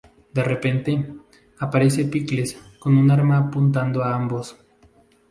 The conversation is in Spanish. De repente, aparece Pickles con un arma apuntado a ambos.